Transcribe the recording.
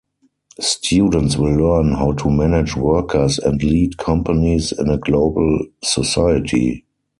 Students will learn how to manage workers and lead companies in a global society.